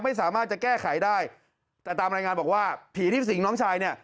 ไม่สามารถจะแก้ไขได้แต่ตามรายงานบอกว่าผีที่สิงน้องชายเนี่ย